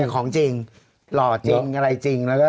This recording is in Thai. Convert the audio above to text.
ของจริง